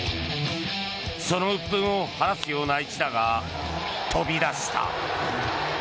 そのうっ憤を晴らすような一打が飛び出した。